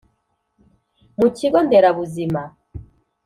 mu kigo nderabuzima